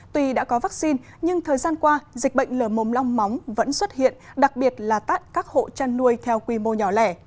tuy đã có vaccine nhưng thời gian qua dịch bệnh lở mồm long móng vẫn xuất hiện đặc biệt là tắt các hộ chăn nuôi theo quy mô nhỏ lẻ